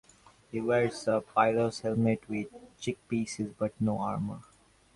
He wears a pilos helmet with cheekpieces, but no armour.